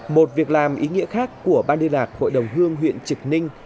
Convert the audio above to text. một việc làm ý nghĩa khác của ban liên lạc hội đồng hương huyện trực ninh